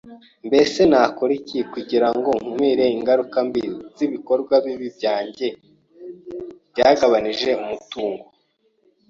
Mbese nakora iki kugira ngo nkumire ingaruka mbi z’ibikorwa bibi byanjye byagabanije umutungo